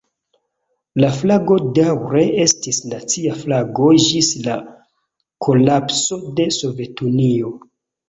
La flago daŭre estis nacia flago ĝis la kolapso de Sovetunio.